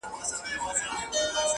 o ژوند مي هيڅ نه دى ژوند څه كـړم ـ